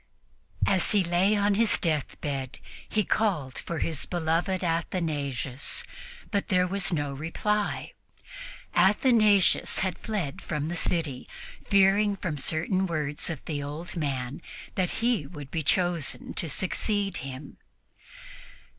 As he lay on his deathbed he called for his beloved Athanasius, but there was no reply. Athanasius had fled from the city, fearing from certain words of the old man that he would be chosen to succeed him.